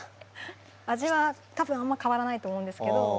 味は多分あんま変わらないと思うんですけど。